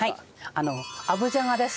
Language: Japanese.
あぶじゃがです。